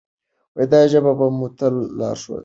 دا ژبه به مو تل لارښوونه کوي.